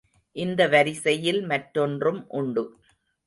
இந்த வரிசையில் மற்றொன்றும் உண்டு.